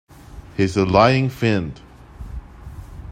He’s a lying fiend!